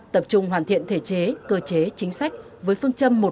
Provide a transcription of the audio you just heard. tập trung hoàn thiện thể chế cơ chế chính sách với phương châm một